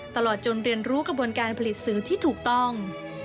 ตลอดจนเรียนรู้กระบวนการผลิตสื่อที่ถูกต้อง